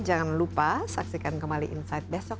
jangan lupa saksikan kembali insight besok